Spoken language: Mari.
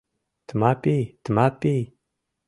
— Тмапий, Тмапий...